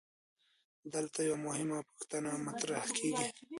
دلته یوه مهمه پوښتنه مطرح کیږي.